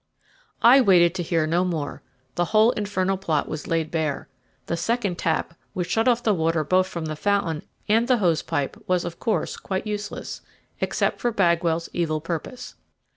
I waited to hear no more the whole infernal plot was laid bare. The second tap, which shut off the water both from the fountain and the hose pipe, was, of course, quite useless, except for Bagwell's evil purpose.